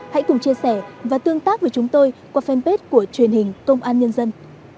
hãy cùng chia sẻ và tương tác với chúng tôi qua fanpage của truyền hình công an nhân dân